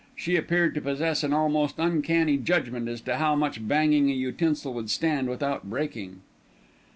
She appeared to possess an almost uncanny judgment as to how much banging a utensil would stand without breaking.